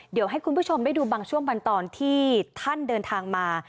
เดี๋ยวให้คุณผู้ชมได้ดูบางช่วงบางตอนที่ท่านเดินทางมา